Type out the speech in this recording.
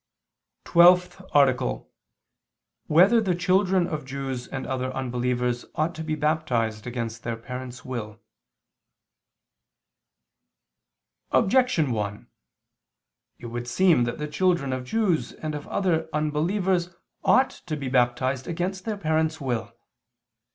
_______________________ TWELFTH ARTICLE [II II, Q. 10, Art. 12] Whether the Children of Jews and Other Unbelievers Ought to Be Baptized Against Their Parents' Will? Objection 1: It would seem that the children of Jews and of other unbelievers ought to be baptized against their parents' will.